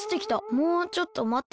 「もうちょっとまって。